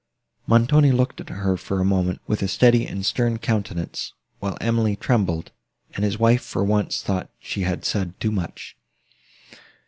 Montoni looked at her for a moment with a steady and stern countenance; while Emily trembled, and his wife, for once, thought she had said too much.